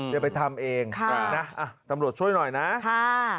อย่าไปทำเองค่ะนะตำรวจช่วยหน่อยนะค่ะ